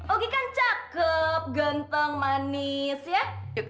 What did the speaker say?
oke kan cakep genteng manis ya